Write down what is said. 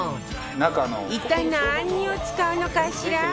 一体何を使うのかしら？